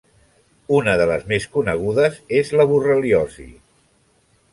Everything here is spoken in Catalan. Una de les més conegudes és la borreliosi.